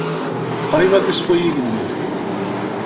Qrib ad yeṣfu yigenni.